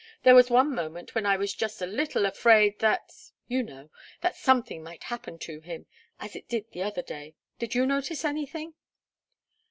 There was one moment when I was just a little afraid that you know that something might happen to him as it did the other day did you notice anything?"